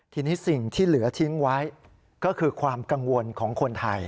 ทีนี้สิ่งที่เหลือทิ้งไว้ก็คือความกังวลของคนไทย